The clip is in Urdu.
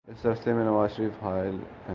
اس راستے میں نوازشریف حائل ہیں۔